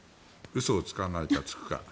嘘をつかないか、つくか。